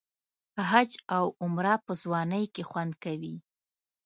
حج او عمره په ځوانۍ کې خوند کوي.